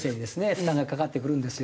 負担がかかってくるんですよ。